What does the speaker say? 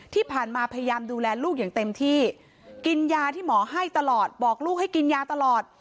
พยายามดูแลลูกอย่างเต็มที่กินยาที่หมอให้ตลอดบอกลูกให้กินยาตลอด